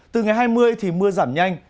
từ ngày hai mươi thì mưa giảm nhanh